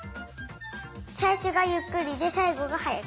さいしょがゆっくりでさいごがはやく。